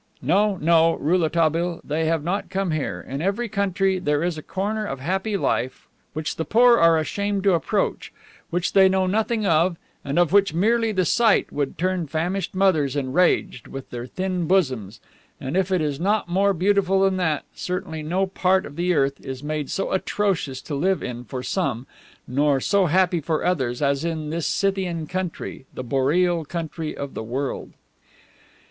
No, no, Rouletabille, they have not come here. In every country there is a corner of happy life, which the poor are ashamed to approach, which they know nothing of, and of which merely the sight would turn famished mothers enraged, with their thin bosoms, and, if it is not more beautiful than that, certainly no part of the earth is made so atrocious to live in for some, nor so happy for others as in this Scythian country, the boreal country of the world.